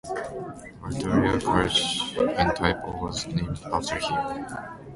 Valtorta College in Tai Po was named after him.